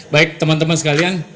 baik teman teman sekalian